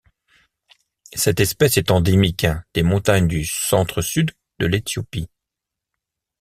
Cette espèce est endémique des montagnes du centre-sud de l'Éthiopie.